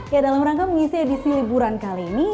ya dalam rangka mengisi edisi liburan kali ini